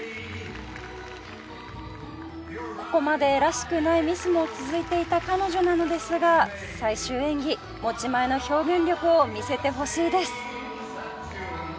ここまでらしくないミスも続いていた彼女なのですが最終演技持ち前の表現力を見せてほしいです。